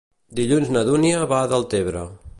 Dilluns na Dúnia va a Deltebre.